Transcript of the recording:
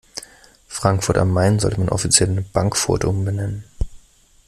Frankfurt am Main sollte man offiziell in Bankfurt umbenennen.